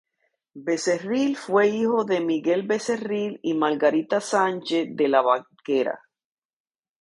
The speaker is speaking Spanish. Becerril fue hijo de Miguel Becerril y Margarita Sánchez de la Barquera.